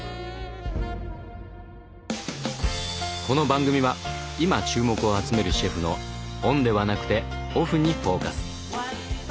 この番組は今注目を集めるシェフのオンではなくてオフにフォーカス。